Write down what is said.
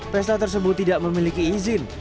pesta tersebut tidak memiliki izin